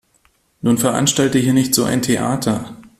Nun veranstalte hier nicht so ein Theater.